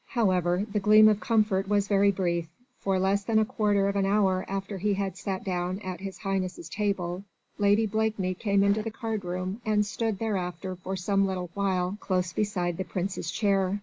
However, the gleam of comfort was very brief, for less than a quarter of an hour after he had sat down at His Highness' table, Lady Blakeney came into the card room and stood thereafter for some little while close beside the Prince's chair.